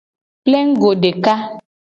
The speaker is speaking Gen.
Plengugo deka.